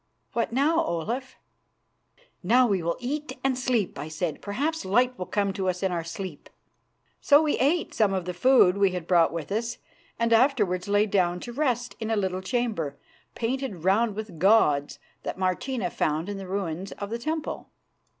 What now, Olaf?" "Now we will eat and sleep," I said. "Perhaps light will come to us in our sleep." So we ate of the food we had brought with us, and afterwards lay down to rest in a little chamber, painted round with gods, that Martina found in the ruins of the temple.